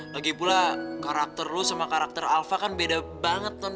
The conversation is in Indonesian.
lagipula karakter lo sama karakter alva kan beda banget ton